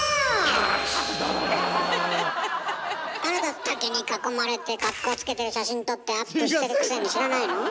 あなた竹に囲まれて格好つけてる写真撮ってアップしてるくせに知らないの？